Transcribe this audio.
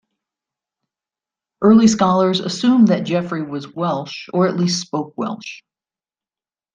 Earlier scholars assumed that Geoffrey was Welsh or at least spoke Welsh.